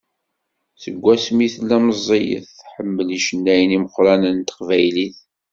Seg wasmi tella meẓẓiyet, tḥemmel icennayen imeqqranen n teqbaylit.